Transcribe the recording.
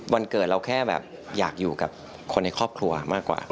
วันเกิดเราแค่แบบอยากอยู่กับคนในครอบครัวมากกว่า